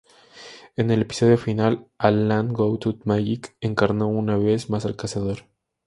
En el episodio final, a "Land Without Magic", encarnó una vez más al cazador.